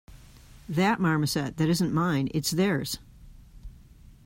That marmoset that isn't mine; it's theirs!